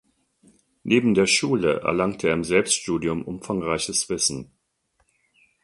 Neben der Schule erlangte er im Selbststudium umfangreiches Wissen.